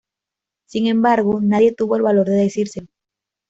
Sin embargo, nadie tuvo el valor de decírselo.